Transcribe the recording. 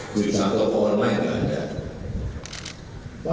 jurusan toko online tidak ada